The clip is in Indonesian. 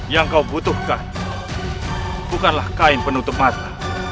yang kau butuhkan bukanlah kain penutup mata